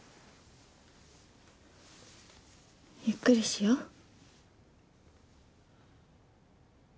ゆっくりしよう。